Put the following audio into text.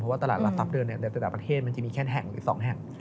เพราะว่าตลาดหลักทรัพย์เดิมเนี่ยแต่ประเทศมันจะมีแค่แห่งหรือสองแห่ง